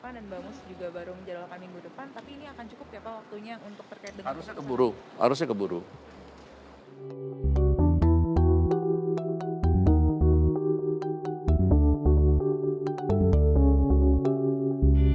oke kalau misalkan pak yudo baru minggu depan dan bang mus juga baru menjalankan minggu depan tapi ini akan cukup ya pak waktunya untuk terkait dengan